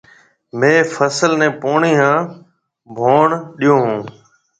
ميه فصل نَي پوڻِي هانَ ڀوڻ ڏئيو هون۔